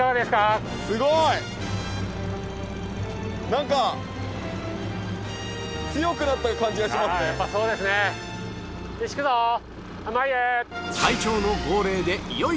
すごい。